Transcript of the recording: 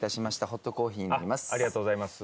ありがとうございます。